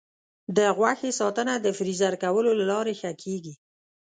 د غوښې ساتنه د فریز کولو له لارې ښه کېږي.